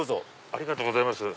ありがとうございます。